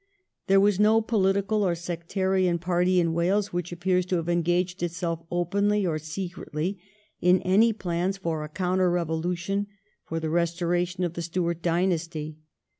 There was no political or sectarian party in Wales which appears to have engaged itself openly or secretly in any plans for a counter revolution for the restoration of the Stuart dynasty.